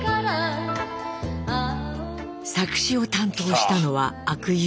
作詞を担当したのは阿久悠。